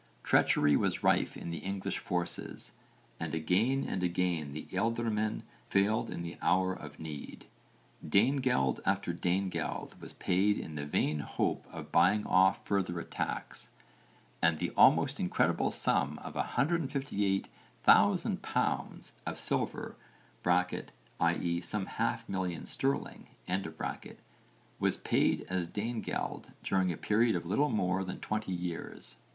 Treachery was rife in the English forces and again and again the ealdormen failed in the hour of need. Danegeld after Danegeld was paid in the vain hope of buying off further attacks, and the almost incredible sum of 158,000 pounds of silver (i.e. some half million sterling) was paid as Danegeld during a period of little more than 20 years.